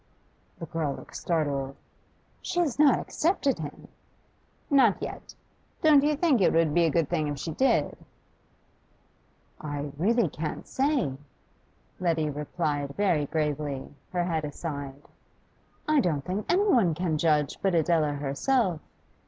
The girl looked startled. 'She has not accepted him?' 'Not yet. Don't you think it would be a good thing if she did?' 'I really can't say,' Letty replied very gravely, her head aside. 'I don't think any one can judge but Adela herself.